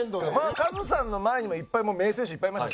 カズさんの前にもいっぱい名選手いっぱいいました。